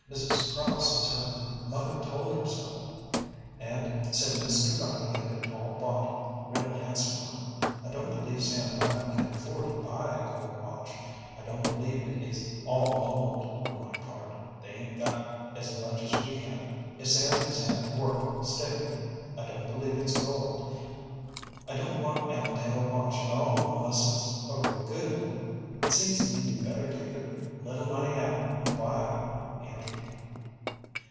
Mrs. Cross says her mother told her so; said Mr. Vining had it all bought a real handsome one. I don't believe Sam Vining can afford to buy a gold watch. I don't believe it is all gold, for my part. They 'ain't got as much as we have, if Sam has had work steadier. I don't believe it's gold. I don't want Ellen to have a watch at all unless it's a real good one. It seems to me you'd better take a little money out and buy her one, Andrew."